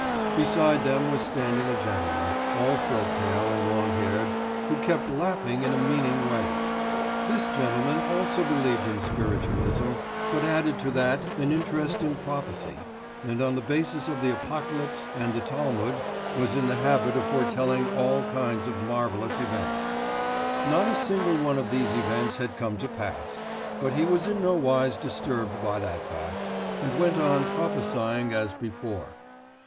Beside them was standing a gentleman, also pale and long haired, who kept laughing in a meaning way. This gentleman also believed in spiritualism, but added to that an interest in prophecy, and, on the basis of the Apocalypse and the Talmud, was in the habit of foretelling all kinds of marvellous events. Not a single one of these events had come to pass; but he was in no wise disturbed by that fact, and went on prophesying as before.